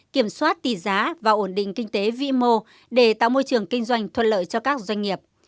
kiểm soát tỷ giá và ổn định kinh tế vĩ mô để tạo môi trường kinh doanh thuận lợi cho các doanh nghiệp